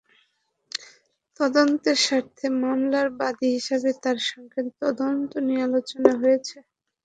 তদন্তের স্বার্থে মামলার বাদী হিসেবে তাঁর সঙ্গে তদন্ত নিয়ে আলোচনা হয়েছে।